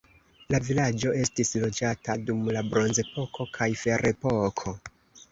La vilaĝo estis loĝata dum la bronzepoko kaj ferepoko.